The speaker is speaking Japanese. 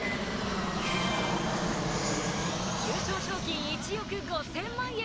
優勝賞金１億５０００万円。